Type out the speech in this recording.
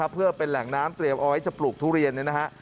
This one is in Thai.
เพื่อเป็นแหล่งน้ำเตรียมเอาไว้จะปลูกทุเรียนเนี่ยนะฮะ